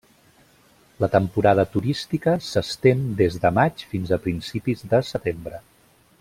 La temporada turística s'estén des de maig fins a principis de setembre.